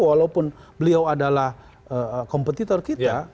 walaupun beliau adalah kompetitor kita